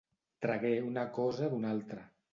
Tragué una cosa d'una altra.